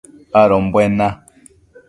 adombuen na